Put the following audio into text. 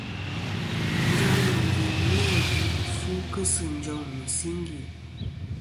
Njoŋ ìngviyn ni-a gvi fu kɨ sɨ njoŋ mɨ̀singe.